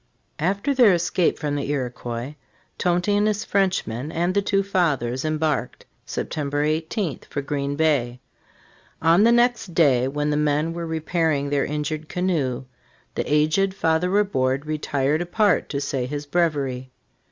After their escape from the Iroquois, Tonty and his Frenchmen and the two Fathers embarked, September 18, for Green Bay. On the next day, when the men were repairing their injured canoe, the aged Fathej Ri bourde retired apart to say his breviary.